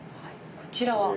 こちらは？